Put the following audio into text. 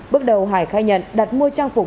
bước đầu hải khai nhận đặt mua trang phục